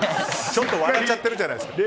ちょっと笑っちゃってるじゃないですか。